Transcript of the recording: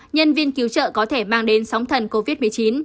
nhân viên cứu trợ có thể mang đến sóng thần covid một mươi chín